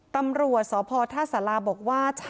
ตำรวจสพท่าสาราบอกว่า